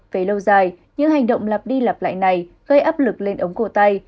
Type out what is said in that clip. về lâu dài những hành động lặp đi lặp lại này gây áp lực lên ống cổ tay